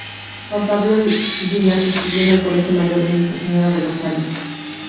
Juan Pablo Llinás estudió en el Colegio Mayor de Nuestra Señora del Rosario.